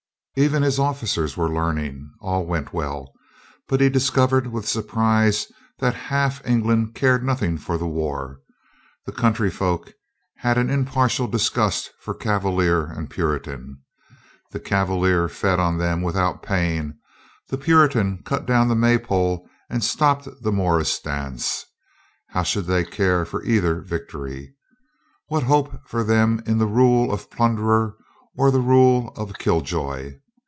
Even his officers were learning. All went well. But he discovered with surprise that half England cared nothing for the war. The country folk had an im partial disgust for Cavalier and Puritan. The Cav alier fed on them without paying, the Puritan cut down the May pole and stopped the morris dance. How should they care for either victory? What hope for them in the rule of plunderer or the rule of killjoy?